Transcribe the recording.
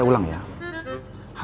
kecuali yang masa kerjanya di indonesia